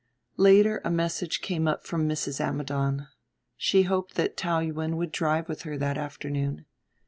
Later a message came up from Mrs. Ammidon she hoped that Taou Yuen would drive with her that afternoon.